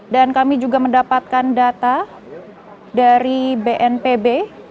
dan kami juga mendapatkan data dari bnpb